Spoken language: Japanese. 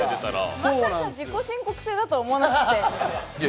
自己申告制だとは思わなくて。